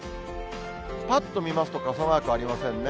ぱっと見ますと、傘マークありませんね。